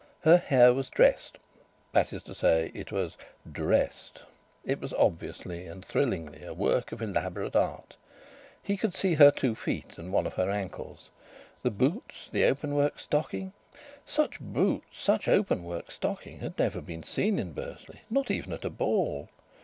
Her hair was dressed that is to say, it was dressed; it was obviously and thrillingly a work of elaborate art. He could see her two feet and one of her ankles. The boots, the open work stocking such boots, such an open work stocking, had never been seen in Bursley, not even at a ball!